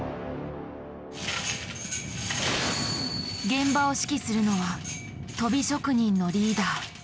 現場を指揮するのはとび職人のリーダー。